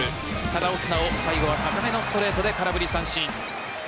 ただ、オスナは最後は高めのストレートで空振り三振。